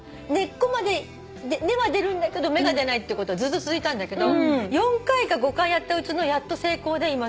根っこまで根は出るんだけど芽が出ないってことずっと続いたんだけど４回か５回やったうちのやっと成功で。